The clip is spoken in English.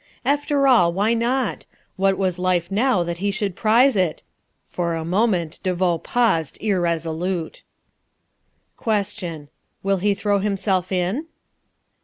After all, why not? What was life now that he should prize it? For a moment De Vaux paused irresolute." Question. Will he throw himself in?